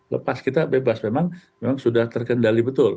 lepas kita bebas memang sudah terkendali betul